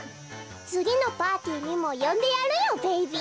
つぎのパーティーにもよんでやるよベイビー。